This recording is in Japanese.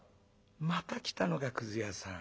「また来たのかくず屋さん。